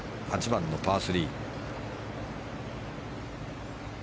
８番のパー３。